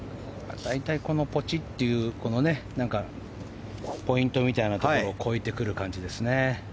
大体、このポチっていうポイントみたいなところを越えてくる感じですね。